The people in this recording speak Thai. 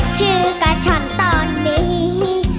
ชื่อกับฉันตอนนี้